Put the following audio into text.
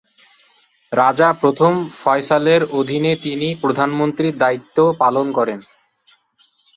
রাজা প্রথম ফয়সালের অধীনে তিনি প্রধানমন্ত্রীর দায়িত্ব পালন করেন।